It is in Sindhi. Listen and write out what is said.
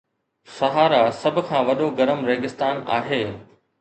صحارا سڀ کان وڏو گرم ريگستان آهي